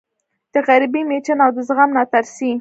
د غریبۍ مېچن او د زغم ناترسۍ